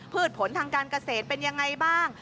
ผลทางการเกษตรเป็นยังไงบ้าง